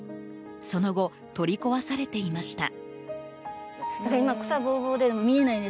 その後、取り壊されていました。